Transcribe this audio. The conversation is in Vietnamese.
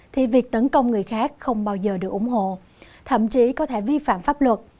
thì việc tấn công người khác không bao giờ được ủng hộ thậm chí có thể vi phạm pháp luật